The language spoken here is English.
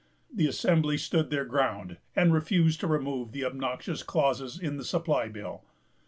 The Assembly stood their ground, and refused to remove the obnoxious clauses in the supply bill.